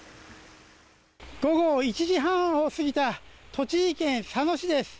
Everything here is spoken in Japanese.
午後１時半を過ぎた栃木県佐野市です。